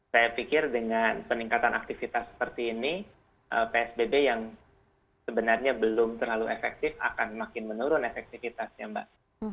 saya pikir dengan peningkatan aktivitas seperti ini psbb yang sebenarnya belum terlalu efektif akan makin menurun efektifitasnya mbak